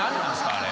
あれ。